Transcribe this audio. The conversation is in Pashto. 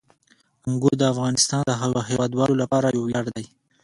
انګور د افغانستان د هیوادوالو لپاره یو ویاړ دی.